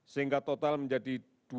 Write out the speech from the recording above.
sehingga total menjadi dua empat ratus dua belas